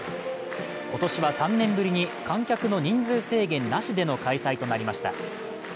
今年は３年ぶりに観客の人数制限なしでの開催となりました。